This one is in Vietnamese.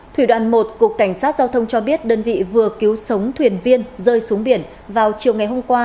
thủy đoàn một cục cảnh sát giao thông cho biết đơn vị vừa cứu sống thuyền viên rơi xuống biển vào chiều ngày hôm qua